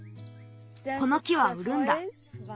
この木はうるんだ。